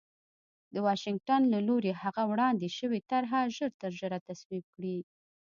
د واشنګټن له لوري هغه وړاندې شوې طرح ژرترژره تصویب کړي